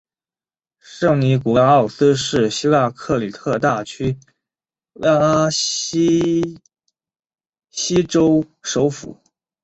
圣尼古拉奥斯是希腊克里特大区拉西锡州首府。